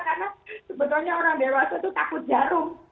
karena sebetulnya orang dewasa itu takut jarum